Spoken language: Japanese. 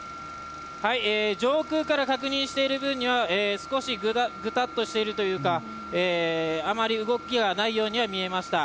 上空から確認している分には少し、ぐたっとしているというかあまり動きがないように見えました。